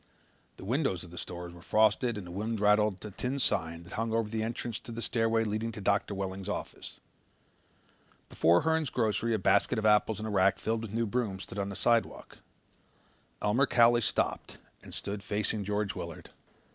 The windows of the stores were frosted and the wind rattled the tin sign that hung over the entrance to the stairway leading to Doctor Welling's office. Before Hern's Grocery a basket of apples and a rack filled with new brooms stood on the sidewalk. Elmer Cowley stopped and stood facing George Willard.